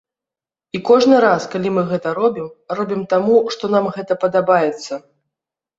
І кожны раз, калі мы гэта робім, робім таму, што нам гэта падабаецца.